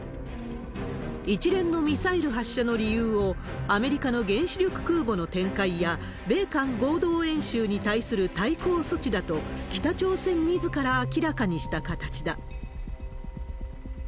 一連のミサイル発射の理由を、アメリカの原子力空母の展開や、米韓合同演習に対する対抗措置だと、北朝鮮みずから明らかにした形だ。